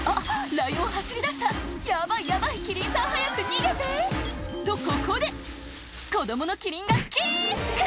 ライオン走り出したヤバいヤバいキリンさん早く逃げて！とここで子供のキリンがキック！